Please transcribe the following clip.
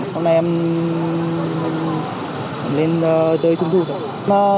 hôm nay em lên chơi chung thu thôi